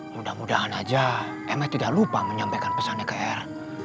mudah mudahan aja ms tidak lupa menyampaikan pesannya ke r